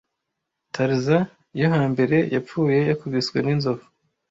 Tarzan yo hambere yapfuye Yakubiswe n'inzovu